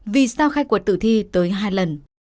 vì sao khai cuộc tử thi tới hai lần